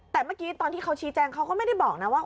แต่เมื่อกี้ตอนที่เขาชี้แจงเขาก็ไม่ได้บอกนะว่า